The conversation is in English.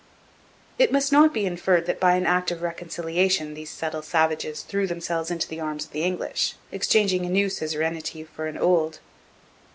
It must not be inferred that by an act of reconciliation these subtle savages threw themselves into the arms of the English, exchanging a new suzerainty for an old.